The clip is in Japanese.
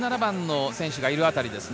１７番の選手がいるあたりですね。